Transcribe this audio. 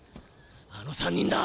あの３人だ。